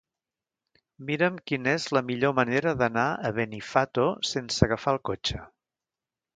Mira'm quina és la millor manera d'anar a Benifato sense agafar el cotxe.